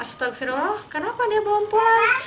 stagfirullah kenapa dia belum pulang